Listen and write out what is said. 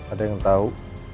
ada yang tau